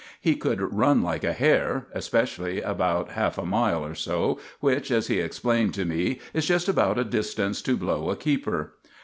He could run like a hare especially about half a mile or so, which, as he explained to me, is just about a distance to blow a keeper.